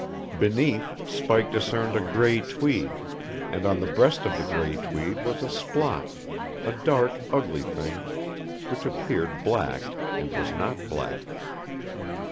Beneath, Spike discerned a gray tweed and on the breast of the gray tweed was a splotch, a dark, ugly thing which appeared black and was not black.